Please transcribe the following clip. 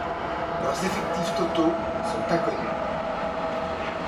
Leurs effectifs totaux sont inconnus.